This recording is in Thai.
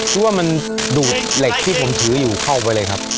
เพราะว่ามันดูดเหล็กที่ผมถืออยู่เข้าไปเลยครับ